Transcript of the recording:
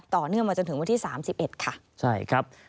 ต่อเนื่องมาจนถึงวันที่๓๑ค่ะ